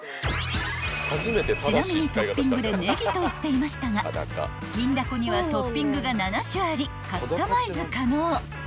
［ちなみにトッピングで「ねぎ」と言っていましたが銀だこにはトッピングが７種ありカスタマイズ可能］